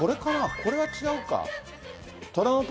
これは違うか。